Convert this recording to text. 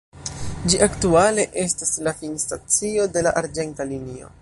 Ĝi aktuale estas la finstacio de la arĝenta linio.